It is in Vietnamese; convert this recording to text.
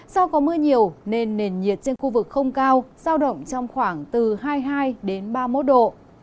do có mưa nhiều nên nền nhiệt trên khu vực không cao giao động trong khoảng từ hai mươi hai đến ba mươi một độ